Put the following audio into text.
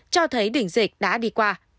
cho thấy đỉnh dịch đã đi qua